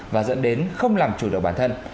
và dẫn đến không làm chủ được bản thân